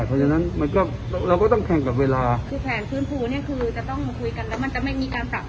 เพราะฉะนั้นมันก็เราก็ต้องแข่งกับเวลาคือแผนฟื้นฟูเนี่ยคือจะต้องคุยกันแล้วมันจะไม่มีการปรับ